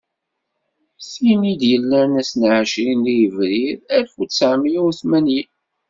Tin i d-yellan ass n εecrin deg yebrir alef u tesεemya u tmanyin.